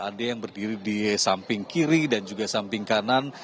ada yang berdiri di samping kiri dan juga samping kanan